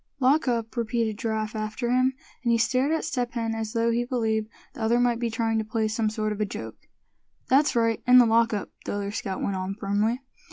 "Lock up!" repeated Giraffe after him, and he stared at Step Hen as though he believed the other might be trying to play some sort of a joke. "That's right, in the lock up," the other scout went on, firmly.